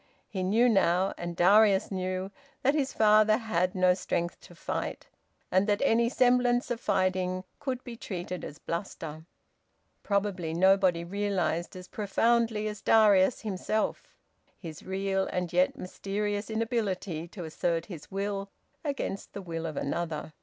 He knew now, and Darius knew, that his father had no strength to fight, and that any semblance of fighting could be treated as bluster. Probably nobody realised as profoundly as Darius himself, his real and yet mysterious inability to assert his will against the will of another.